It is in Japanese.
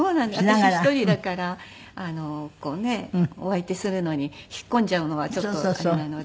私一人だからこうねお相手するのに引っ込んじゃうのはちょっとあれなので。